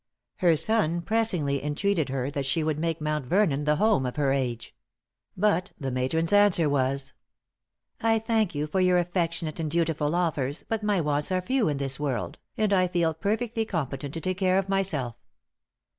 Her son pressingly entreated her that she would make Mount Vernon the home of her age. But the matron's answer was: "I thank you for your affectionate and dutiful offers, but my wants are few in this world, and I feel perfectly competent to take care of myself."